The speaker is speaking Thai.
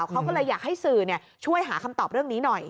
เขาก็เลยอยากให้สื่อช่วยหาคำตอบเรื่องนี้หน่อย